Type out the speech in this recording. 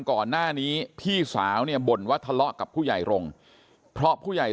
ก่อนหน้านี้พี่สาวเนี่ยบ่นว่าทะเลาะกับผู้ใหญ่รงค์เพราะผู้ใหญ่